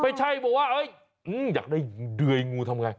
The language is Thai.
ไม่ใช่บอกว่าอยากได้เดื่อยงูทำไง